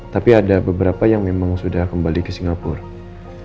tapi ada beberapa yang memang sudah kembali ke singapura